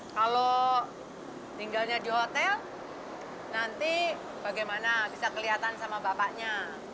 kalau tinggalnya di hotel nanti bagaimana bisa kelihatan sama bapaknya